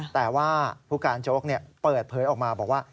แต่ว่าผู้การโจ๊กเปิดเผยออกมาบอกว่า